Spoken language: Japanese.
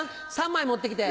３枚持って来て。